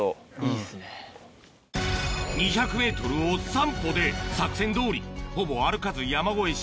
２００ｍを３歩で作戦どおりほぼ歩かず山越えし